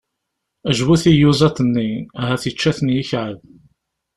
Jbut i iyuzaḍ-nni, ahat yečča-ten yikεeb!